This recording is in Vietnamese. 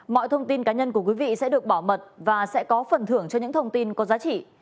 mọi thông tin cá nhân của quý vị sẽ được bảo mật và sẽ có phần thưởng cho những thông tin có giá trị